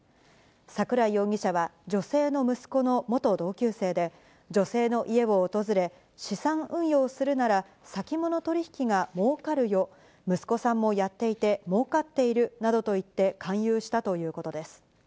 桜井容疑者は女性の息子の元同級生で、女性の家を訪れ、資産運用するなら、先物取引がもうかるよ、息子さんもやっていてもうかっているなどと言って勧誘したということです。